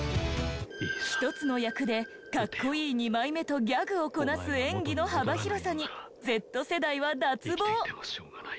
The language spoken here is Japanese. １つの役で格好いい二枚目とギャグをこなす演技の幅広さにＺ世代は脱帽。